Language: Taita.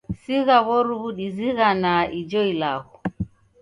Sigha w'oruw'u dizighanaa ijo ilagho.